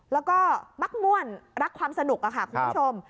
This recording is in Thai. แล้วก็มักม่วนรักความสนุกค่ะคุณผู้ชม